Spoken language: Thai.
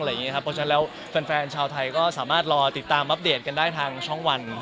เพราะฉะนั้นแล้วแฟนชาวไทยก็สามารถรอติดตามอัปเดตกันได้ทางช่องวัน